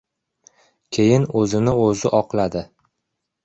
Keyin, o‘zini-o‘zi oqladi: